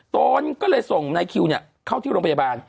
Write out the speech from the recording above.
ตนก็เลยส่งนายคิวเข้าที่โรงพยาบาล